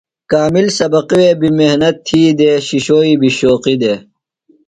کامل سبقی وے بیۡ محنت تھی دےۡ شِشوئی بیۡ شوقی دے۔